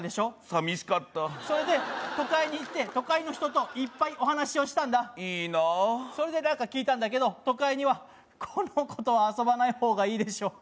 寂しかったそれで都会に行って都会の人といっぱいお話をしたんだいいなあそれで聞いたんだけど都会には「この子とは遊ばない方がいいでしょ」